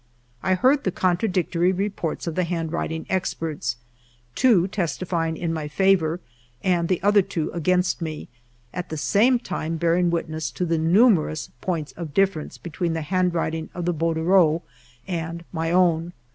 I heard the contradictory reports of the hand writing experts, — two testifying in my favor and the other two against me, at the same time bear ing witness to the numerous points of difference between the handwriting of the bordereau and my own.